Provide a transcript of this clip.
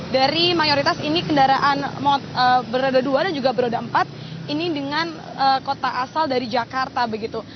dari mayoritas ini kendaraan beroda dua dan juga beroda empat ini dengan kota asal dari jakarta begitu